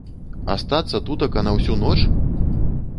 Астацца тутака на ўсю ноч?!